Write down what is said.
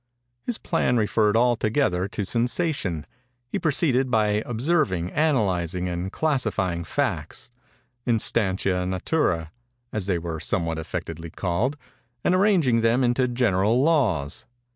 His plan referred altogether to sensation. He proceeded by observing, analyzing, and classifying facts—instantiæ Naturæ, as they were somewhat affectedly called—and arranging them into general laws.